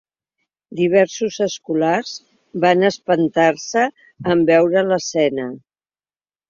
Diversos escolars van espantar-se en veure l’escena.